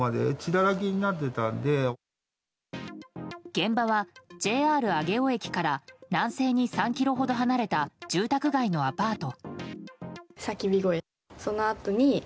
現場はＪＲ上尾駅から南西に３ｋｍほど離れた住宅街のアパート。